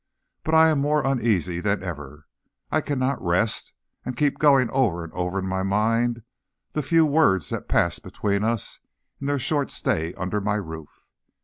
But I am more uneasy than ever. I cannot rest, and keep going over and over in my mind the few words that passed between us in their short stay under my roof.